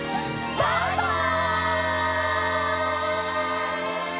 バイバイ！